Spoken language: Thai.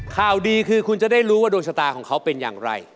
ข่าวดีคือคุณจะได้รู้ว่าดวงชะตาของเขาเป็นอย่างไร